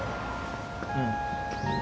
うん。